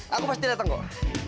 aku pasti dateng kok